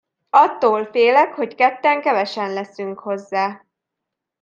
Attól félek, hogy ketten kevesen leszünk hozzá.